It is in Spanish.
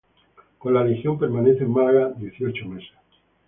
Con la Legión permanece en Málaga dieciocho meses.